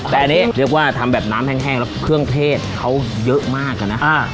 แต่อันนี้เรียกว่าทำแบบน้ำแห้งแล้วเครื่องเทศเขาเยอะมากนะ